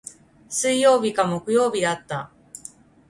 水曜日か木曜日だった。